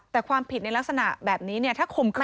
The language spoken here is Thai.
แต่ความผิดในลักษณะแบบนี้เนี่ยถ้าข่มขื